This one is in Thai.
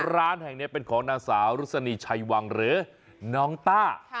ร้านแห่งนี้เป็นของนางสาวรุษณีชัยวังหรือน้องต้า